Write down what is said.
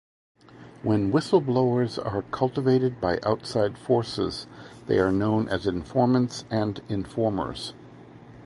When whistle-blowers are cultivated by outside forces, they are known as informants and informers.